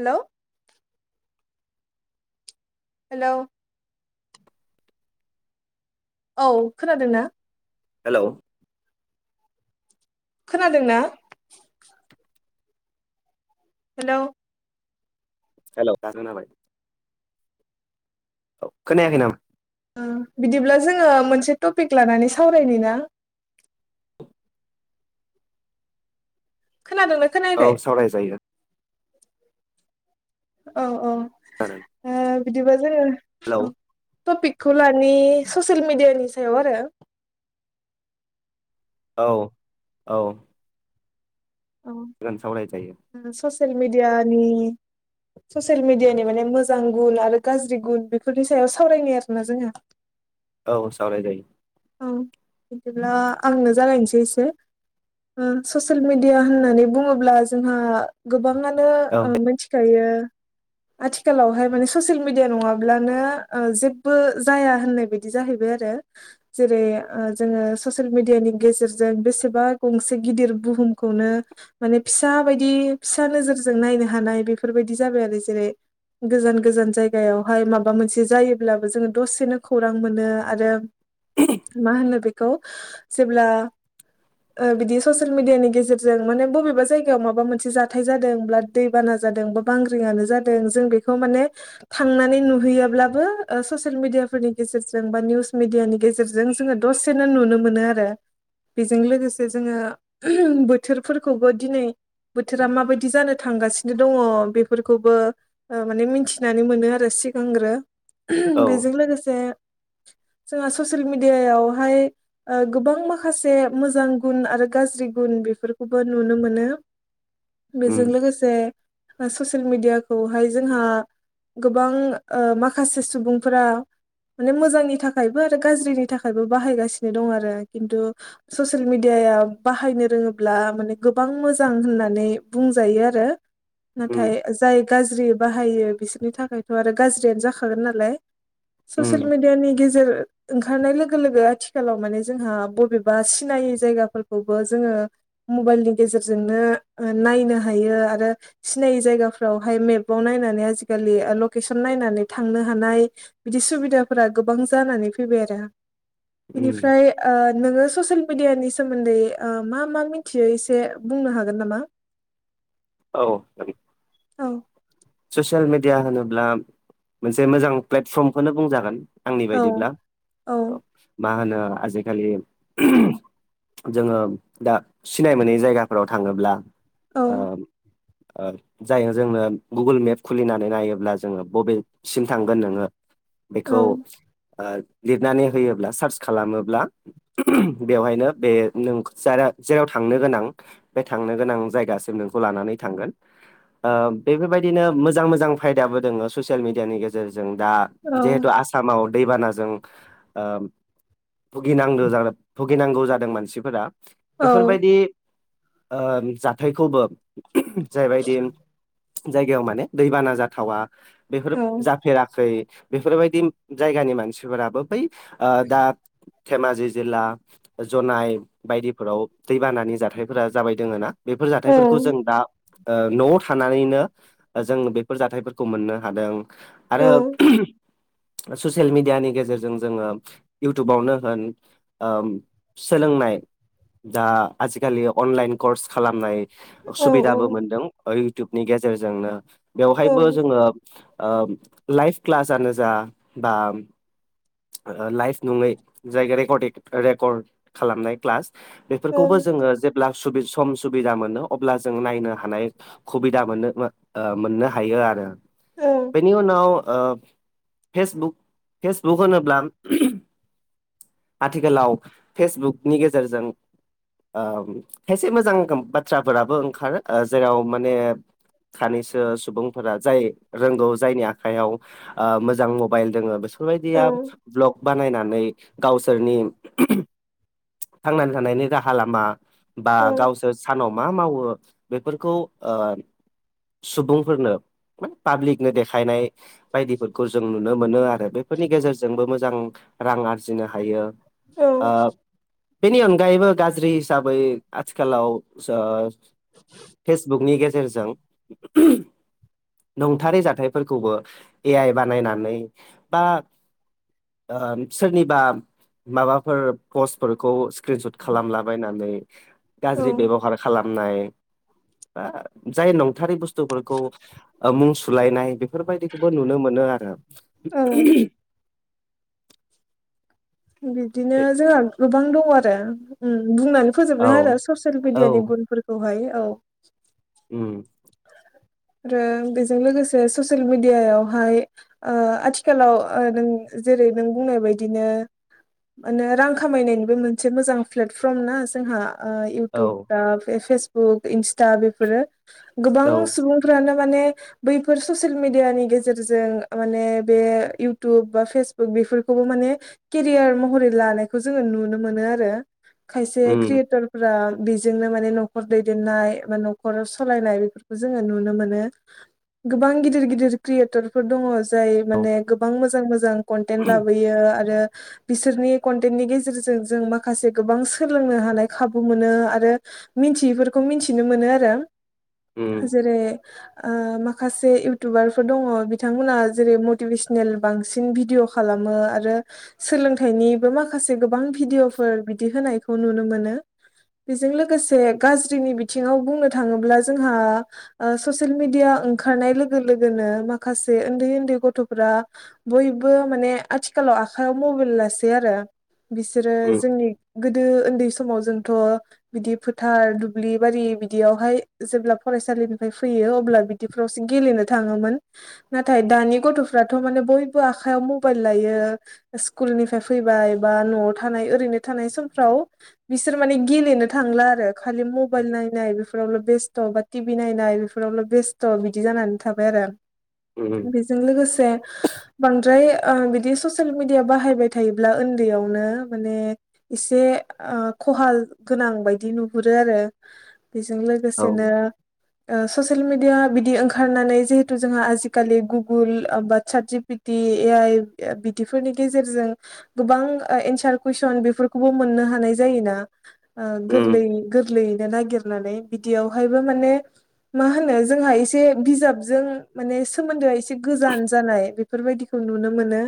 हेल'! Hello औ खोनादोंना? Hello खोनादों ना? हेलौ हेलौ दा खोनाबाय। औ खोनायाखै नामा? ओ बिदिब्ला जोङो मोनसे टपिक लानानै सावरायनि ना? खोनादोंना औ खोनायाखै? सावरायजायो औ औ जादों। ओ बिदिबा जोङो हेलौ औ टपिकखौ लानि ससियेल मेडियानि सायाव आरो औ औ । हागोन सावराय जायो । ससियेलमिडिया नि ससियेल मेडियानि माने मोजां गुन आरो गाज्रि गुन बेफोरनि सायाव सावरायनि आरोना जोंङो। औ सावराय जायो । औ बिदिब्ला आंनो जागायनोसै एसे । ओम ससियेल मिडिया होननानै बुङोब्ला जोंहा गोबाङा नो औ मिथिखायो । आथिखालावहाय माने ससियेल मिडिया नङाब्लानो ओ जेबो जाया होननाय बायदि जाहैबाय आरो । हो जेरै ओ जोङो ससियेल मेडियानि गेजेरजों बेसेबा गंसे गिदिर बुहुमखौनो माने फिसा बायदि फिसा नोजोरजों नायनो हानाय बेफोरबायदि जाबाय आरो जेरै गोजान गोजान जायगायावहाय माबा मोनसे जायोब्लाबो जोङो दसेनो खौरां मोनो आरो मा होनो बेखौ जेब्ला ओ बिदि ससियेल मिडियानि गेजेरजों माने बबेबा जायगायाव माबा मोनसे जाथाय जादों ब्ला दैबाना जादों बा बांग्रिंआनो जादों जों बेखौ माने थांनानै नुहैयाब्लाबो ओ ससियेल मेडिया फोरनि गेजेरजों बा निउस मिडियानि गेजेरजों जोङो दसेनो नुनो मोनो आरो । बेजों लोगोसे जोङो बोथोरफोरखौबो दिनै बोथोरा माबायदि जानो थांगासिनो दङ बेफोरखौबो ओ माने मिथिनानै मोनो आरो सिगांग्रो औ बेजों लोगोसे जोङा ससियेल मिडियायावहाय ओ गोबां माखासे मोजां गुन आरो गाज्रि गुन बेफोर खौबो नुनो मोनो उम बेजों लोगोसे ससियेल मिडियाखौहाय जोंहा गोबां ओ माखासे सुबुंफोरा माने मोजांनि थाखाय बो गाज्रिनि थाखायबो बाहायगासिनो दं आरो किन्थु ससियेल मिडिया बाहायनो रोङो ब्ला माने गोबां मोजां होननानै बुंजायो आरो उम नाथाय जाय गाज्रि बाहायो बिसोरनि थाखायथ' आरो गाज्रियानो जाखागोन नालाय । उम ससियेल मिडियानि गेजेर ओंखारनाय लोगो लोगो आथिखालाव माने जोंहा बबेबा सिनायै जायगाफोरखौबो जोङो मबाइलनि गेजेरजोंनो नायनो हायो आरो सिनायै जायगाफ्रावहाय मेपाव नाय नायनानै आजिकालि लकेसन नायनानै थांनो हानाय बिदि सुबिदाफोरा गोबां जानानै फै फैबाय आरो उम बिनिफ्राय ओ नोङो ससियेल मिडियानि सोमोन्दै ओ मा मा मिथियो एसे बुंनो हागोन नामा? औ आगै । ओं ससियेल मेडिया होनोब्ला मोनसे मोजां प्लेटफर्मखौनो बुंजागोन । आंनि औ बायदिब्ला औ मा होनो आजिखालि जोङो दा सिनाय मोनै जायगाफोराव थाङोब्ला औ ओ ओ जायो जोंनो गुगोल मेप खुलिनानै नायोब्ला जोङो बबेसिम थांगोन नोङो बेखौ औ ओ लिरनानै होयोब्ला सार्च खालामोब्ला बेवहायनो बे जेराव थांनो गोनां बे थांनो गोनां जायगासिम नों खौ लानानै थांगोन। बेफोरबायदिनो मोजां मोजां फायदाबो दोङो ससियेल मिडियानि गेजेरजों दा औ जिहेतु आसामाव दैबानाजोंनां ओ भुगिनांगो जाद भुगिनांगौ जादों मानसिफोरा। औ बेफोरबायदि ओ जाथायखौबो जायबायदि जायगायाव माने दैबाना जाथावा बेफोर जाफेराखै बेफोरबायदि जायगानि मानसिफोराबो बै दा धेमाजि जिल्ला जनाय बायदिफोराव दैबानानि जाथायफोरा जाबाय दोङो ना बेफोर औ जाथायफोरखौ जों दा ओ न'आव थानानैनो जों बेफोर जाथायफोरखौ मोननो हादों औ आरो ससियेल मिडियानि गेजेरजों जोङो इउटुबावनो होन ओ सोलोंनाय दा आजिखालि अनलाइन कर्स खालामनाय औ औ सुबिदाबो मोनदों इउथुबनि गेजेरजोंनो औ बेवहायबो जोङो ओ लाइभ क्लासनो जा बा लाइभ नङै जाय रेकर्डिं रेकर्ड खालामनाय क्लास औ बेफोरखौबो जोङो जेब्ला सुब सम सुबिदा मोनो अब्ला जों नायनो हानाय खुबिदा मोनो। मोननो हायो आरो औ बेनि उनाव ओ फेसबुक फेसबुक होनोब्ला आथिखालाव फेसबुकनि गेजेरजों ओ खायसे मोजां बाथ्राफोराबो ओंखारो जेराव माने सानैसो सुबुंफोरा जाय रोंगौ जायनि आखायाव मोजां मबाइल दङो बेस औ बेफोरबायदिया भ्लग बानायनानै गावसोरनि थांनानै थानायनि राहा लामा बा औ गावसोर सानाव मा मावो बेफोरखौ ओ सुबुंफोरनो माने पाब्लिकनो देखायनाय बायदिफोरखौ जों नुनो मोनो आरो। आरो बेफोरनि गेजेरजोंबो मोजां रां आरजिनो हायो। ओ, औ बेनि अनगायैबो गाज्रि हिसाबै आथिखालाव फेसबुकनि गेजेरजों नंथारै जाथायफोरखौबो ए आइ बानायनानै बा सोरनिबा माबाफोर पस्टफोरखौ स्क्रिन सुट खालामलाबायनानै औ गाज्रि बेब'हार खालाम नाय जाय नंथारै बुस्थु मुं सुलायनाय बे बेफोरबायदिखौबो नुनो मोनो आरो। औ बिदिनो जोंहा गोबां दङ आरो उम बुंनानै औ फोजोबनो आरो ससियेल औ मिडियानि गुनफोरखौहाय औ उम आरो बेजों लोगोसे ससियेल मिडियायावहाय ओ आथिखालाव नों जेरै नों बुंनाय बायदिनो माने रां खामायनायनिबो मोनसे मोजां प्लेटफर्म ना जोंहा ओ औ इउटुब फेसबुक इन्स्टा बेफोरो औ गोबां सुबुंफ्रानो माने बैफोर ससियेल मिडियानि गेजेरजों माने बे उथुब बाेसबुक बेफोरखौबो माने केरियार महरै लानायखौ जोङो नुनो मोनो आरो। खायसे उम क्रियेटर फोर बेजोंनो माने न'खर दैदेननाय बा न'खर सालायनाय जोङो नुनो मोनो गोबां गिदिर गिदिर क्रियेटरफोर दङ जाय औ माने गोबां मोजां मोजां कन्टेन्ट लाबोयो आरो बिसोरनि कन्टेन्टनि गेजेरजों जों माखासे गोबां सोलोंनो हानाय खाबु मोनो आरो मिथियैफोरखौ मिथिनो मोनो आरो उम जेरै ओ माखासे इउटुबारफोर दङ बिथांमोनहा जेरै मटिभेसनेल बांसिन भिडिअ खालाम मो आरो सोलोंथाइनिबो माखासे गोबां भिडिय'फोर बिदि होनायखौ नुनो मोनो। बेजों लोगोसे गाज्रिनि बिथिङाव बुंनो थाङोब्ला जोंहा ससेल मिडिया ओंखारनाय लोगो लोगोनो माखासे उन्दै उन्दै गथ'फोरा दा बयबो माने आथिखालाव आखायाव मबाइल लासै आरो बिसोरो उम जोंनि गोदो उन्दै समाव जोंथ' बिदि फोथार दुब्लि बारि बिदियावहाय जेब्ला फरायसालिनिफाय फैयो अब्ला बिदिफ्रावसो गेलेनो थाङोमोन नाथाय दानि गथ' फ्राथ' माने बयबो आखाइयाव मबाइल लायो स्कुलनिफाय फैबाय बा न'आव थानाय ओरै नो थानाय समफ्राव बिसोर माने गेलेनो थांला आरो खालि मबाइल नायनाय बेफोरावल' बेस त' बा टि भि नायनाय बेफोराव बेस्थ' बिदि जानानै थाबाय आरो। उम बिजों लोगोसे बांद्राय ओ बिदि ससियेल मिडिया बाहायबाय थायोब्ला ओन्दैयावनो माने एसे ओ ख'हा गोनां बायदि नुहुरो आरो बेजों लोगो औ सेनो ओस ससियेल मिडिया बिदि ओंखारनानै जिहेतु जोंहा आजिखालि गुगोल बा chat G P T A I ओ बिदिफोरनि गेजेरजों गोबां एन्सार कुइसन बेफोरखौबो मोननो हानाय जायो। [unintelligible] ओ उम गोरलै गोरलैयैनो नागिरनानै बिदियावहायबो माने मा होनो जोंहा एसे बिजाबजों माने सोमोन्दोआ एसे गोजान जानाय बेफोरबायदिखौ नुनो मोनो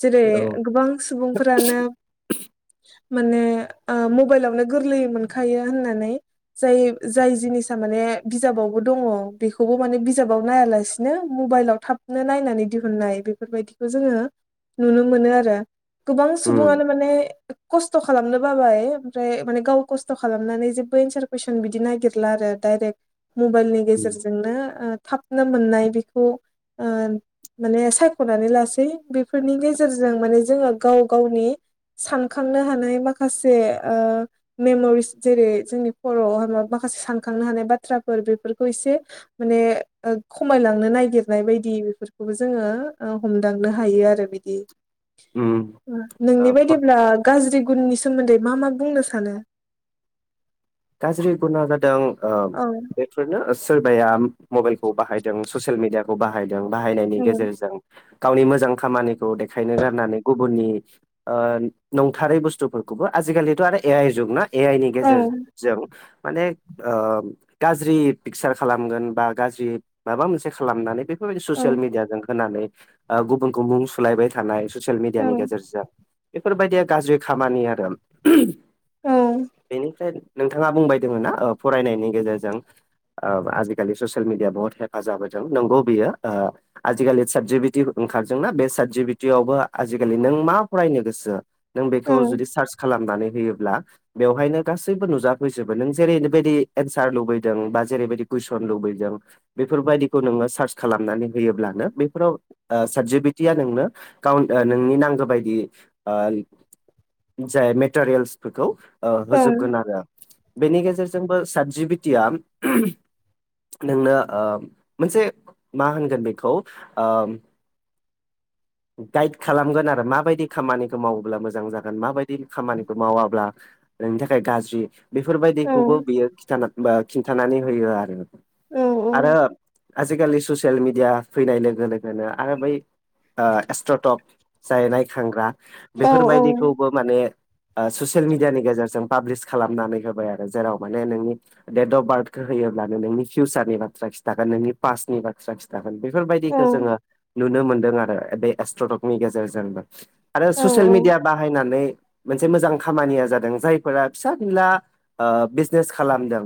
जेरै औ गोबां सुबुंफोरानो माने ओ मबाइलावनो गोरलैयै मोनखायो होननानै जाय जाय जिनिसा माने बिजाबावबो दङ बेखौबो माने बिजाबाव नायालासिनो मबाइलाव थाब नो नायनानै दिहुननाय बेफोरबायदिखौ जोङो नुनो मोनो आरो। गोबां उम सुबुङानो माने खस्थ स्थ' खालामनो बाबाय ओमफ्राय माने गाव खस्थ' खालामनानै जेबो एन्सार कुइसन बिदिनो नागि गिरला आरो डाइरेक्ट मबाइलनि उम गेजेरजोंनो थाबनो मोननाय बेखौ ओ माने सायख'नानै लासै बेफोरनि गेजेरजों माने जोङो गाव गावनि सानखांनो हानाय माखासे ओ मेम'रिस जेरै जोंनि खर'आवहा माबा [unintelligible] सानखांनो हानाय बाथ्राफोर बेफोरखौ एसे माने ओ खमायलांनो नागिरनाय बायदि बेफोरखौबो जोङो ओ हमदांनो हायो आरो बिद दि उम नोंनि ओ बायदिब्ला गाज्रि गुननि सोमोन्दै मा मा बुंनो सानो? गाज्रि गुना जादों ओ औ बेफोरनो सोरबाया मबाइलखौ बाहायदों ससियेल मिडियाखौ बाहायदों बाहायनायनि औ गेजेरजों गावनि मोजां खामानिखौ देखायनो गारनानै गुबुननि ओ नंथारै बुस्थुफोरखौबो आजिखालि' आरो ए आइ जुग ना ए आइ नि औ गेजेर जों माने ओ गाज्रि पिकचार खालामगोन बा गाज्रि माबा मोनसे खालामनानै बेफोरबादि औ ससियेल मिडियाजों होनानै ओ गुबुन खौ मुं सुलायबाय थानाय ससियेल औ मिडियानि गेजेरजों बेफोरबायदिया गाज्रि खामानि आरो। [inaudible] औ बेनिफ्राय नोंथाङा बुंबायदोंङो ना ओ फरायनायनि गेजेरजों औ आजिखालि ससियेल मिडिया बहत हेफाजाब होदों नंगौ बियो ओ आजिखालि साब जि बि ति ओंखारजोंना बे सात जि बि तियावबो आजिखालि नों मा फरायनो गोसो नों औ बेखौ जुदि सार्च खालामनानै होयोब्ला बेवहायनो गासै बो नुजाफैबो नों जेरैबायनोबायदि एनसार लुबैदों बा जेरैबायदि कुइसन लुबैदों बेफोरबाय दिखौ नोङो सार्च खालामनानै होयोब्लानो‌ बेफोराव ओ सात जि बितिया नोंनो गावन ओ नोंनि नांगो बायदि ओ जाय मेटारियेल्सफोरखौ ओ औ होजोबगोन आरो बेनि गेजेरजोंबो सात जि बितिया नोंनो ओ मोनसे मा होनगोन बेखौ ओ गायेड खालामगोन आरो माबायदि खामानिखौ मावोब्ला मोजां जागोन माबायदि खामानिखौ मावाब्ला नोंनि थाखाय गाज्रि बेफोरबायदिखौबो बियो खिथाना बा खिन्थानानै होयो आरो औ आरो आजिखालि ससियेल मिडिया फैनाय लोगो लोगोनो आरो बै ओ एस्ट्रट'क जाय नायखांग्रा औ बेफोरबायदिखौबो माने ओ ससियेल मिडियानि गेजेरजों पाब्लिस खालामनानै होबाय आरो जेराव माने नोंनि डेट अफ बार्थखौ हो योब्लानो नोंनि फिउसारनि बाथ्रा खिथागोन नोंनि पास्ट नि बाथ्रा खिथागोन बेफोरबायदिखौ जोङो नुनो नो मोनदों आरो। बे एस्ट्रटकनि गेजेरजोंबो आरो ससियेल मिडिया बाहायनानै मोनसे मोजां खामानिया जादों जायफोरा फिसा फिनला बिजनेस खालामदों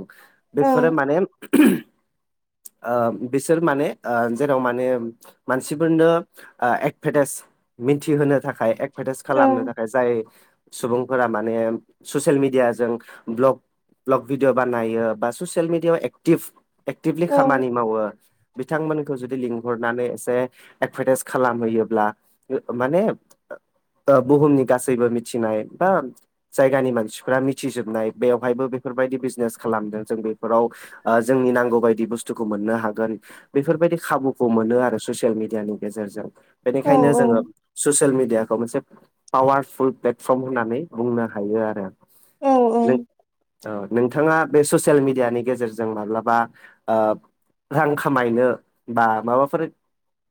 औ बेफोर माने [inaudible] ओ बिसोर माने ओ जेराव माने मानसिफोरनो ओ [unintelligible] मिन्थिहोनो थाखाय [unintelligible] खालामनो थाखाय जाय सुबुंफोरा माने ससियेल मिडियाजों भ्लग भ्लग भिडिअ बानायो बा ससियेल मिडियायाव एक्टिभ एक्टिभलि खामानि मावो बिथांमोनखौ जुदि लिंहरनानै एसे एडभारटाइस खालामहैयोब्ला माने ओ बुहुमनि गासैबो मिथिनाय बा जायगानि मानसिफ्रा मिथिजोबनाय बेवहायबो बिफोर बायदि बिजनेस खालामदों जों बिफोराव ओ जोंनि नांगौ बामदि बोस्तोखौ मोननो हागोन बि बेफोरबायदि खाबुखौ मोनो आरो ससियेल मिडियानि गेजेरजों औ बेनिखायनो जोङो ससियेल मि मिडयाखौ मोनसे पावारफुल प्लेटफर्म होननानै बुंनो हायो आरो औ औ नों ओ नोंथाङा बे ससियेल मिडियानि गेजेरजों माब्लाबा ओ रां खामायनो बा माबाफोर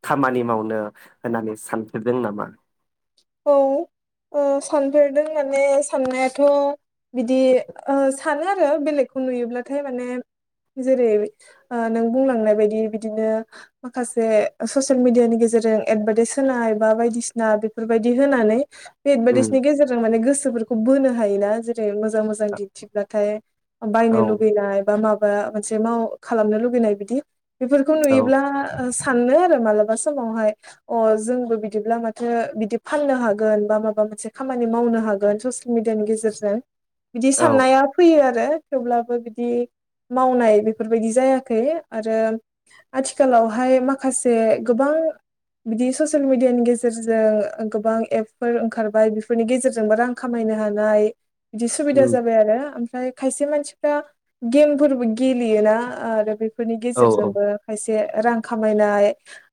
खामानि मावनो होननानै सानफेरदों नामा औ ओ सानफेरदों माने साननायाथ' बिदि ओ सानो आरो बेलेगखौ नुयोब्लाथाय माने जेरै ओ नों बुंलांनाय बायदि बिदिनो माखासे ससियेल मिडियानि गेजेरजों रजों एडभार्टाइस होनाय बा बायदिसिना बेफोरबायदि होनानै बे उम एदभार्टाइसनि गेजेरजों माने गोसोफोरखौ बोनो हायोना जेरै रै मोजां मोजां दिन्थिब्लाथाय औ बायनो लुुबैनाय बा माब बा मोनसे खालामनो लुबैनाय बिदि बेफोरखौ औ नुयोब्ला सानो आरो मालाबा समावहाय ओ जोंबो बिदिब्ला माथो बि दि फाननो हागोन बा माबा मोनसे खामानि मावनो हागोन ससियेल मिडियानि गेजेरजों बिदि औ साननाया फैयो आरो थेवब्लाबो बिदि मावनाय बेफोरबायदि जायाखै आरो आथिखालावहाय माखासे गोबां बिदि ससियेल मिडियानि गेजेरजों गोबां एपफोर ओंखारबाय बेफोरनि गेजेरजोंबो रां खामायनो हानाय बिदि सुबिदा उम, जाबाय आरो ओमफ्राय खायसे मानसिफ्रा गेमफोरबो गेलेयोना आरो बेफोरनि औ औ गेजेरजोंबो खायसे से रां खामायनाय